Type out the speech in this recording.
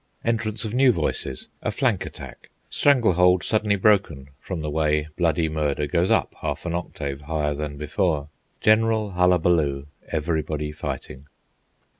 Entrance of new voices; a flank attack; strangle hold suddenly broken from the way bloody murder goes up half an octave higher than before; general hullaballoo, everybody fighting.